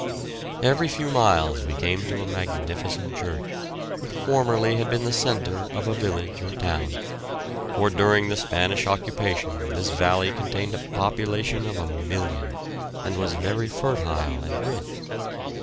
Every few miles we came to a magnificent church, which formerly had been the centre of a village or town, for during the Spanish occupation this valley contained a population of 1,000,000, and was very fertile and rich.